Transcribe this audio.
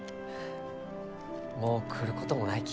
もう来ることもないき。